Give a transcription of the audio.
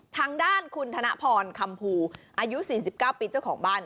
ทางด้านคุณธนพรคำภูอายุ๔๙ปีเจ้าของบ้าน